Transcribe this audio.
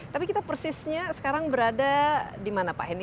tapi kita persisnya sekarang berada di mana pak henr